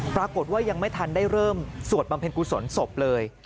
ปรากฏว่ายังไม่ทันได้เริ่มสวดบำเพ็ญกุศลศพเลย